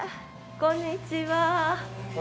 こんにちは。